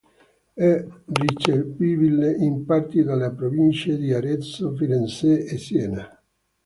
È ricevibile in parti delle province di Arezzo, Firenze e Siena.